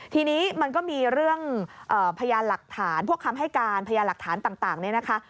ทีนี้มันก็มีเรื่องพยานหลักฐานพวกคำให้การพยานหลักฐานต่างเนี่ยนะคะ